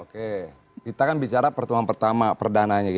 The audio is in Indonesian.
kita kan bicara pertemuan pertama perdanaannya g dua puluh